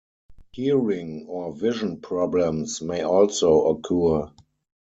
Hearing or vision problems may also occur.